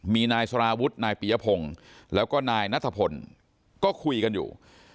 มีนายสารวุฒินายปียพงศ์แล้วก็นายนัทพลก็คุยกันอยู่